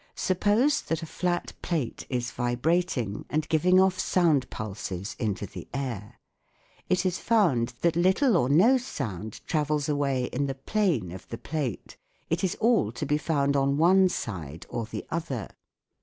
Suppose that a flat plate is vibrating and giving off sound pulses into the air. It is found that little or no sound travels away in the plane of the plate : it is all to be found on one side or the other.